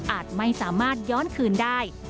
ไม่สามารถย้อนคืนได้